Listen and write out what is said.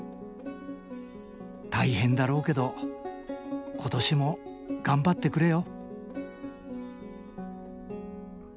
大変だろうけど今年も頑張ってくれよ。